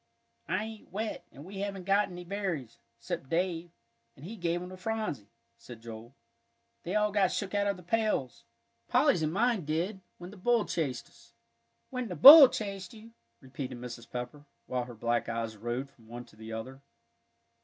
"I ain't wet, and we haven't got any berries, 'cept Dave, an' he gave 'em to Phronsie," said Joel. "They all got shook out of the pails, Polly's and mine did, when the bull chased us." "When the bull chased you!" repeated Mrs. Pepper, while her black eyes roved from one to the other.